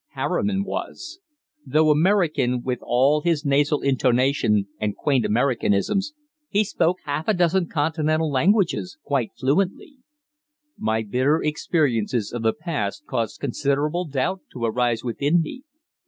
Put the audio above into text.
Harriman was. Though American, with all his nasal intonation and quaint Americanisms, he spoke half a dozen Continental languages quite fluently. My bitter experiences of the past caused considerable doubt to arise within me.